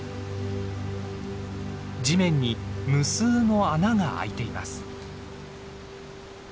地面に無数の穴があいています。